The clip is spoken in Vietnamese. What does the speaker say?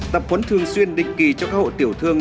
tập huấn thường xuyên định kỳ cho các hộ tiểu thương